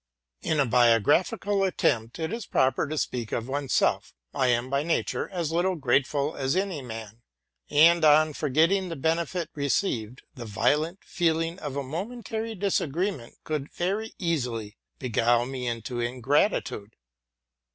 In a biographical attempt, it is proper to speak of one's self. I am, by nature, as little grateful as any man; and, on forget ting the benefit received, ithe violent feeling of a momentary disagreement could very easily beguile me into ingratitude.